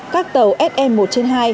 các tàu se một trên hai